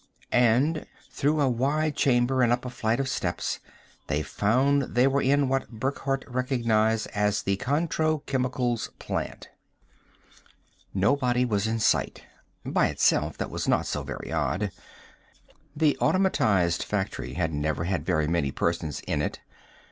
And, through a wide chamber and up a flight of steps, they found they were in what Burckhardt recognized as the Contro Chemicals plant. Nobody was in sight. By itself, that was not so very odd the automatized factory had never had very many persons in it.